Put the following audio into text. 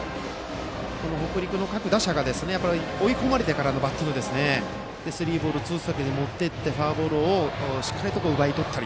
北陸の各打者が追い込まれてからのバッティングスリーボールツーストライクまで持っていって、フォアボールをしっかり奪い取ったり。